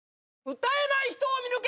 歌えない人を見抜け！